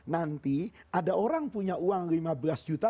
nanti ada orang punya uang lima belas juta